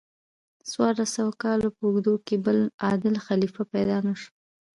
څوارلس سوو کالو په اوږدو کې بل عادل خلیفه پیدا نشو.